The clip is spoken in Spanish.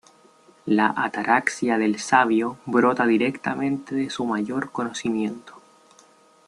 La ataraxia del sabio brota directamente de su mayor conocimiento.